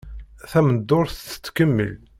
Tameddurt tettkemmil.